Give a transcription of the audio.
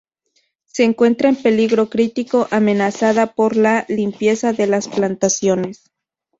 Se encuentra en peligro crítico; amenazada por la limpieza de las plantaciones.